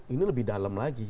ini lebih dalam lagi